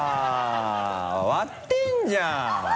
割ってんじゃん！